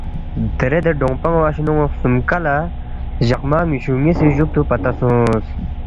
دیرے دے ڈونگپان٘و اشے نون٘و خسُومکا لہ جقما نِ٘یشُو نِ٘یسی جُوکتُو پتہ سونگس